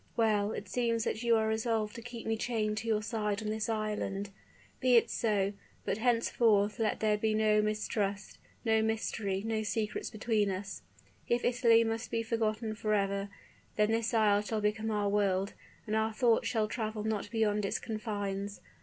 "Well it seems that you are resolved to keep me chained to your side on this island. Be it so: but henceforth let there be no mistrust no mystery no secrets between us. If Italy must be forgotten forever, then this isle shall become our world, and our thoughts shall travel not beyond its confines.